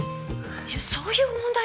いやそういう問題じゃ。